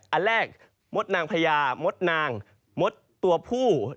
อันแรกมดนางพญามดนางมดตัวผู้